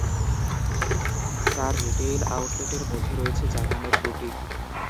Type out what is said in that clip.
তার রিটেইল আউটলেটের মধ্যে রয়েছে জাপানের বুটিক।